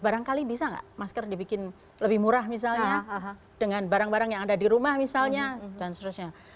barangkali bisa nggak masker dibikin lebih murah misalnya dengan barang barang yang ada di rumah misalnya dan seterusnya